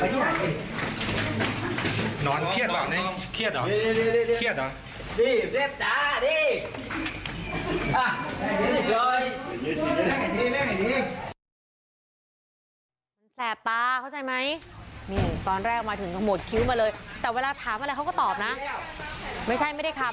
หน้าภรรยาที่น้อนต้องสงสารน้อนอ่ะหน้าภรรยาของก็เสียแป้งนะครับ